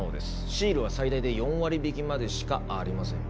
シールは最大で４割引きまでしかありません。